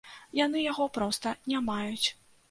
Яны яго проста не маюць.